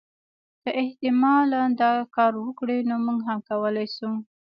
که احتمالا دا کار وکړي نو موږ هم کولای شو.